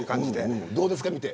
どうですか、見て。